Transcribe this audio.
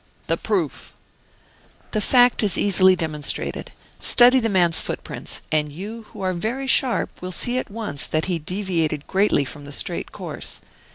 "The proof!" "The fact is easily demonstrated. Study the man's footprints, and you, who are very sharp, will see at once that he deviated greatly from the straight course.